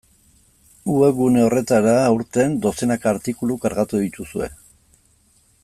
Webgune horretara, aurten, dozenaka artikulu kargatu dituzue.